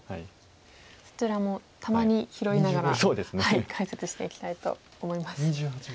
そちらもたまに拾いながら解説していきたいと思います。